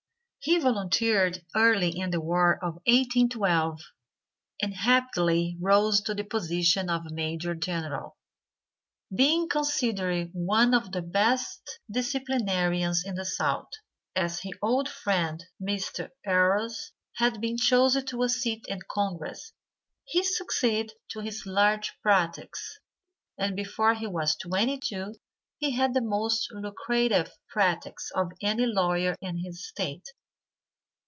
He volunteered early in the war of 1812 and rapidly rose to the position of Major General, being considered one of the best disciplinarians in the South. As his old friend, Mr. Ehres, had been chosen to a seat in Congress, he succeeded to his large practice, and before he was twenty two he had the most lucrative practice of any lawyer in his State.